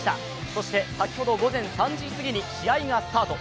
そして先ほど、午前３時すぎに試合がスタート。